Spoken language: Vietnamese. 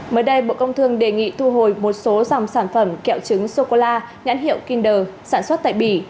mới đây bộ công thương đề nghị thu hồi một số dòng sản phẩm kẹo trứng sô cô la nhãn hiệu kinder sản xuất tại bỉ